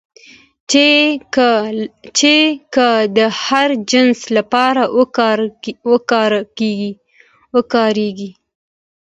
چې که د هر جنس لپاره وکارېږي